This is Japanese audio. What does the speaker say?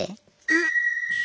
えっ！